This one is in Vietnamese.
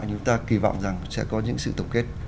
chúng ta kỳ vọng rằng sẽ có những sự tổng kết